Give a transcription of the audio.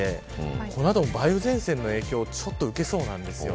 問題は九州でこの後も梅雨前線の影響ちょっと受けそうなんです。